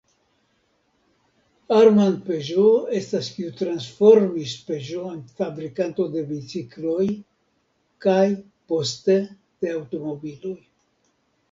Armand Peugeot estas kiu transformis Peugeot en fabrikanto de bicikloj kaj, poste, de aŭtomobiloj.